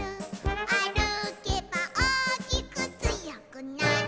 「あるけばおおきくつよくなる」